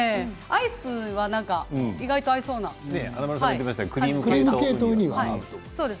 アイスは意外と合いそうで。